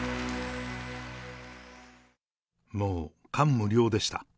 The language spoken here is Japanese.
もう感無量でした。